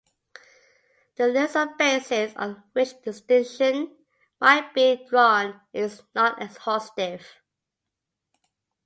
The list of basis on which distinction might be drawn is not exhaustive.